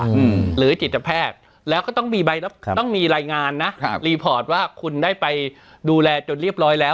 อืมหรือจิตแพทย์แล้วก็ต้องมีใบต้องมีรายงานนะครับว่าคุณได้ไปดูแลจนเรียบร้อยแล้ว